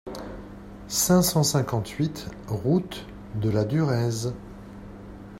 cinq cent cinquante-huit route de la Durèze